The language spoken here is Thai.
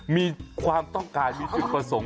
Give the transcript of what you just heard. มีความต้องการมีจุดประสงค์